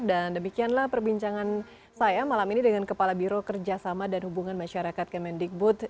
dan demikianlah perbincangan saya malam ini dengan kepala biro kerjasama dan hubungan masyarakat kemendikbud